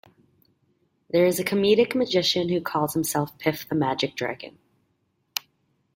There is a comedic magician who calls himself Piff the Magic Dragon.